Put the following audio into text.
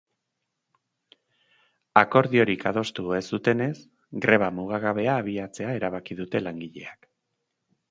Akordiorik adostu ez dutenez, greba mugagabea abiatzea erabaki dute langileek.